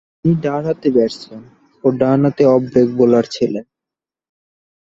তিনি ডানহাতি ব্যাটসম্যান ও ডানহাতি অফ-ব্রেক বোলার ছিলেন।